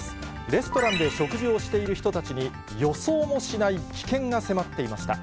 レストランで食事をしている人たちに、予想もしない危険が迫っていました。